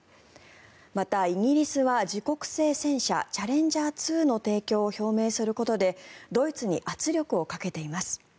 また、イギリスは自国製戦車チャレンジャー２の提供を表明することでドイツに圧力をかけています。